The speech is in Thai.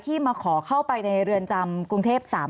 ที่มาขอเข้าไปในเรือนจำกรุงเทพฯ๓ครั้งใช่ไหมคะ